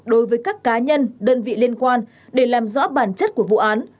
đối với các cá nhân đơn vị liên quan để làm rõ bản chất của vụ án